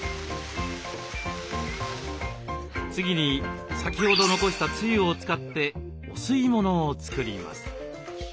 次に先ほど残したつゆを使ってお吸い物を作ります。